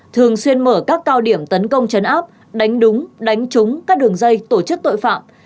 thường xuyên mở các cao điểm tấn công chấn áp đánh đúng đánh trúng các đường dây tổ chức tội phạm